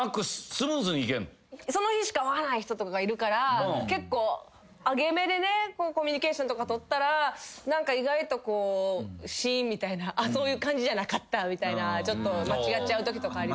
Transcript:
その日しか会わない人とかがいるから結構上げめでねコミュニケーションとか取ったら意外とシーンみたいなそういう感じじゃなかったみたいなちょっと間違っちゃうときとか。